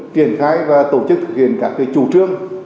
triển khai và tổ chức thực hiện các chủ trương